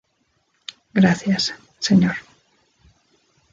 Gracias, Señor.